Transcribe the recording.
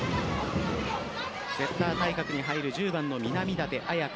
セッター対角に入る１０番の南舘絢華。